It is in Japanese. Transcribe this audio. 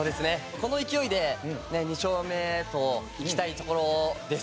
この勢いで２勝目といきたいところです。